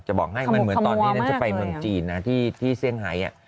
จะบอกให้มันเหมือนตอนนี้จะไปเมืองจีนที่เซียงไฮ